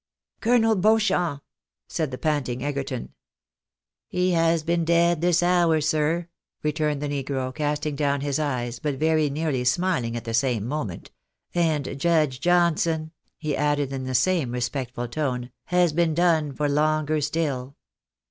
" Colonel Beauchamp " said the panting Egerton. " He has been dead this hour, sir," returned the negro, casting down his eyes, but very nearly smiling at the same moment ;" and Judge Johnson," he added, in the same respectful tone, " has been done for longer still."